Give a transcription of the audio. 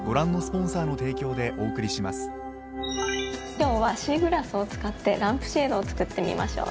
今日はシーグラスを使ってランプシェードを作ってみましょう。